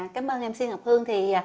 cảm ơn mc ngọc hương